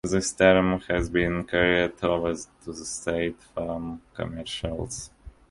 This term has been carried over to the State Farm commercials.